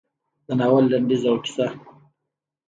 د ناول لنډیز او کیسه: